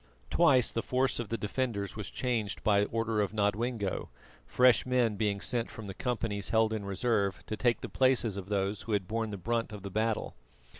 Twice the force of the defenders was changed by order of Nodwengo, fresh men being sent from the companies held in reserve to take the places of those who had borne the brunt of the battle.